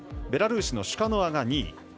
ベラルーシのシュカノワが２位。